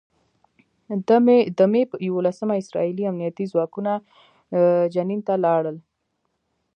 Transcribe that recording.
د مې په یوولسمه اسراييلي امنيتي ځواکونه جنین ته لاړل.